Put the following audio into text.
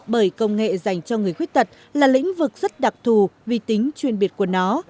bởi công nghệ dành cho người khuyết tật là lĩnh vực rất đặc thù vì tính chuyên biệt của nó